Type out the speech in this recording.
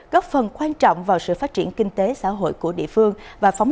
góp phần quan trọng vào sự phát triển kinh tế xã hội của địa phương